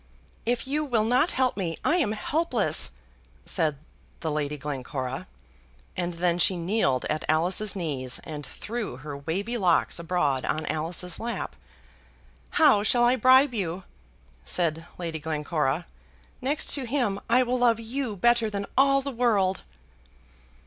"If you will not help me, I am helpless!" said the Lady Glencora, and then she kneeled at Alice's knees and threw her wavy locks abroad on Alice's lap. "How shall I bribe you?" said Lady Glencora. "Next to him I will love you better than all the world."